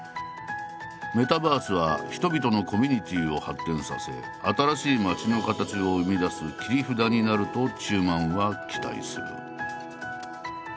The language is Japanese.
メタバースは人々のコミュニティーを発展させ新しい街の「カタチ」を生み出す切り札になると中馬は期待する。